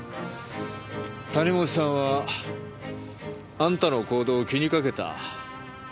谷本さんはあんたの行動を気に掛けた。